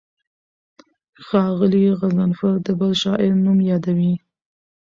ښاغلی غضنفر د بل شاعر نوم یادوي.